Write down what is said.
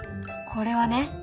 これはね